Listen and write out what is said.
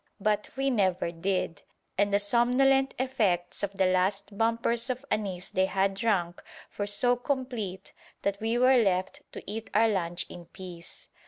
But we never did; and the somnolent effects of the last "bumpers" of anise they had drunk were so complete that we were left to eat our lunch in peace.